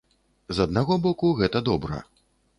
З аднаго боку, гэта добра.